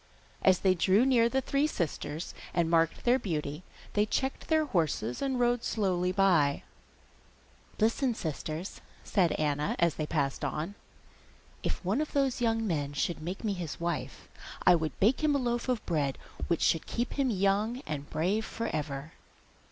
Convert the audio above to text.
As they drew near the three sisters, and marked their beauty, they checked their horses and rode slowly by. 'Listen, sisters!' said Anna, as they passed on. 'If one of those young men should make me his wife, I would bake him a loaf of bread which should keep him young and brave for ever.